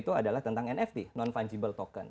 itu adalah tentang nft non fungible token